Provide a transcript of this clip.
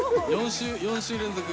４週連続。